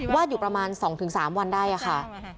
อยู่ประมาณ๒๓วันได้ค่ะ